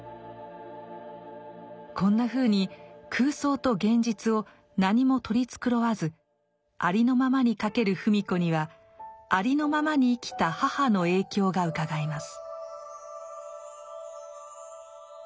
こんなふうに空想と現実を何も取り繕わずありのままに書ける芙美子にはありのままに生きた母の影響がうかがえます。